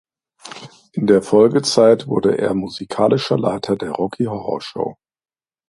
In der Folgezeit wurde er musikalischer Leiter der Rocky Horror Show.